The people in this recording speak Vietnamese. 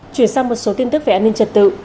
chuyển sang một số tin tức về an ninh trật tự